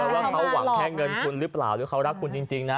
ว่าเขาหวังแค่เงินคุณหรือเปล่าหรือเขารักคุณจริงนะ